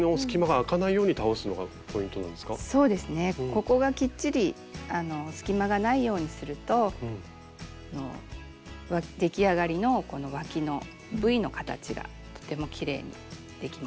ここがきっちり隙間がないようにすると出来上がりのこのわきのＶの形がとてもきれいにできます。